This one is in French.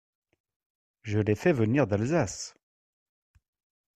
Je les fais venir d’Alsace.